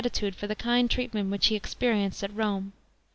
mark of graMtude for the kind treatment which he experienced at Rome.